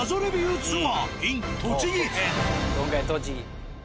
今回栃木。